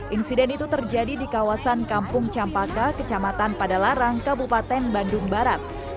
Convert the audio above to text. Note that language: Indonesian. insiden itu terjadi di kawasan kampung campaka kecamatan padalarang kabupaten bandung barat